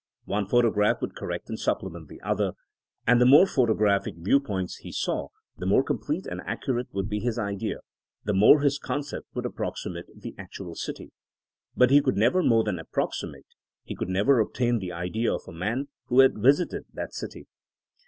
One photograph would correct and supplement the oth3r. And the more photo THINEINa AS A SCIENCE 203 graphic viewpoints he saw the more complete and accurate would be his idea — the more his concept would approximate the actual city. But he could never more than approximate ; he could never obtain the idea of a man who had visited that city.